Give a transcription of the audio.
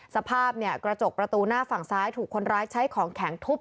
สภาพกระจกประตูหน้าฝั่งซ้ายถูกคนร้ายใช้ของแข็งทุบ